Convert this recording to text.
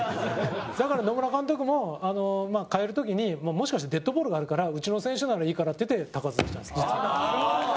だから、野村監督も代える時にもしかしてデッドボールがあるからうちの選手ならいいからって高津にしたんです、実は。